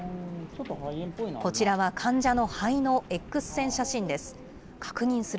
こちらは患者の肺のＸ線写真です。